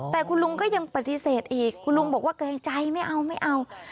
แต่คุณลุงก็ยังปฏิเสธอีกคุณลุงบอกว่าเกรงใจไม่เอาไม่เอา